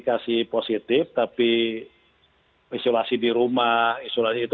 fungsi russian financialional hasil shade